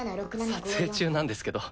あの撮影中なんですけど。